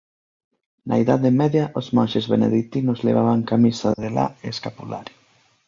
Na Idade Media os monxes beneditinos levaban camisa de la e escapulario.